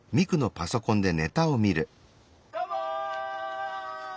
「どうも！」。